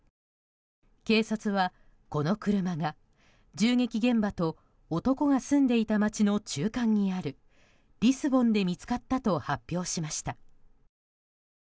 警察は、この車が銃撃現場と男が住んでいた街の中間にあるリスボンで見つかったと発表しました。